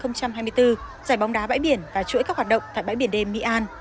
giải bóng đá bãi biển và chuỗi các hoạt động tại bãi biển đêm mỹ an